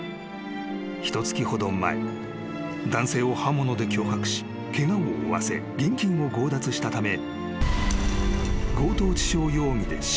［ひとつきほど前男性を刃物で脅迫しケガを負わせ現金を強奪したため］